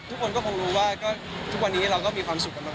ทุกคนก็คงรู้ว่าทุกวันนี้เราก็มีความสุขกันมาก